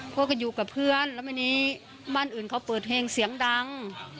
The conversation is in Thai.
ไม่ใช่ความจริงว่าลูกแม่ไปหาเรื่องนะเพราะอยู่กับเพื่อนและเหมือนบ้านอื่นเค้าเปิดเพลงเสียงดัง